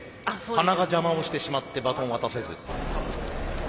鼻が邪魔をしてしまってバトンを渡せず。